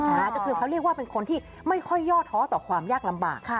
ก็คือเขาเรียกว่าเป็นคนที่ไม่ค่อยย่อท้อต่อความยากลำบาก